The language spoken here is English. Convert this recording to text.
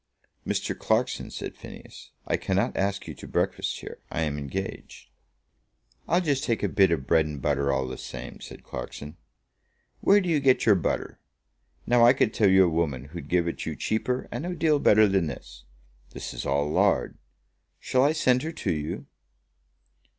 "Mr. Clarkson," said Phineas, "I cannot ask you to breakfast here. I am engaged." "I'll just take a bit of bread and butter all the same," said Clarkson. "Where do you get your butter? Now I could tell you a woman who'd give it you cheaper and a deal better than this. This is all lard. Shall I send her to you?"